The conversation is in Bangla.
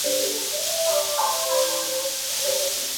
সংবাদপত্রের রিপোর্টার কি বুঝিতে কি বুঝিয়া এইরূপ লিখিয়াছেন।